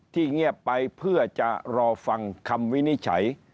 เงียบไปเพื่อจะรอฟังคำวินิจฉัย